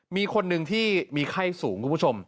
มีคนหนึ่งที่มีไข้สูงคุณผู้ชม